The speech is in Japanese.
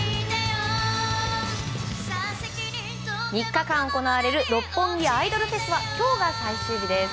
３日間行われる六本木アイドルフェスは今日が最終日です。